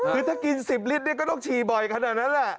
คือถ้ากิน๑๐ลิตรก็ต้องฉี่บ่อยขนาดนั้นแหละ